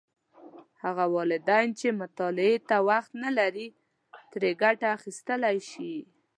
هغه والدین چې مطالعې ته وخت نه لري، ترې ګټه اخیستلی شي.